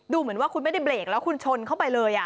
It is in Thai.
เหมือนว่าคุณไม่ได้เบรกแล้วคุณชนเข้าไปเลย